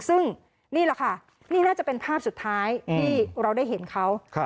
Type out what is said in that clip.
ซึ่งนี่แหละค่ะนี่น่าจะเป็นภาพสุดท้ายที่เราได้เห็นเขา